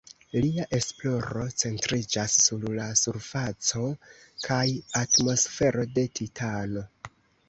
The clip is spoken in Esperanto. Lia esploro centriĝas sur la surfaco kaj atmosfero de Titano.